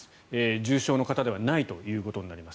重症の方ではないということになります。